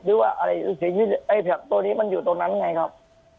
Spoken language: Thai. หรือว่าอะไรเสียชีวิตไอ้ตัวนี้มันอยู่ตรงนั้นไงครับ